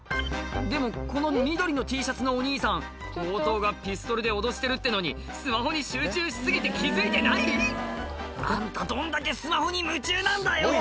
でもこの緑のＴシャツのお兄さん強盗がピストルで脅してるってのにスマホに集中し過ぎて気付いてない⁉あんたどんだけスマホに夢中なんだよ